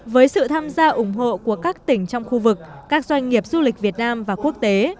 với sự tham gia ủng hộ của các tỉnh trong khu vực các doanh nghiệp du lịch việt nam và quốc tế